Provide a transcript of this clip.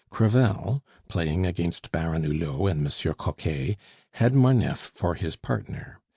Crevel, playing against Baron Hulot and Monsieur Coquet, had Marneffe for his partner.